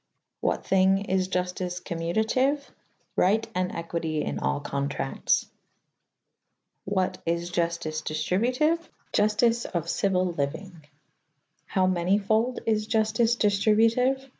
What thyng is Juftyce commutatyue? Ryght and equite in all contractes. What is Juftyce diftributyue ? Juftyce of cyuyle lyuyng. How manyfolde is Juftice dyftributyue